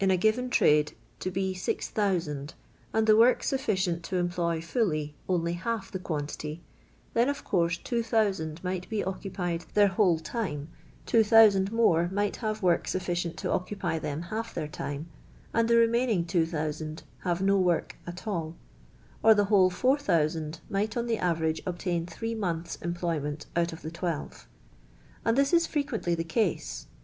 301 a giren trade to be 6000, and the work infficient to employ (fully) only half the quantity, then, of course, 2000 might be occupied their whole time, 2000 more might hare work sufficient to occupy them half their time, and the remaining 2000 have no work at all ; or the whole 4000 might, on the average, obtain three months' employment out of the twelve; and this is frequently the case.